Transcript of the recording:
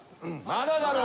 まだだろ！